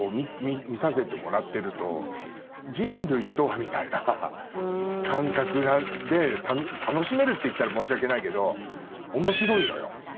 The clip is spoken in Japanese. みたいな感覚で楽しめるって言ったら申し訳ないけど面白いのよ。